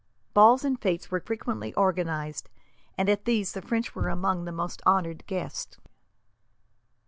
Balls and fetes were frequently organized, and at these the French were among the most honoured guests.